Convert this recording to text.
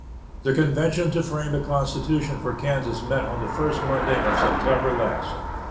The convention to frame a constitution for Kansas met on the first Monday of September last.